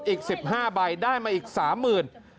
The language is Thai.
พี่เบิร์ต๕ใบได้มาอีก๓หมื่น